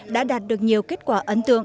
đã đạt được nhiều kết quả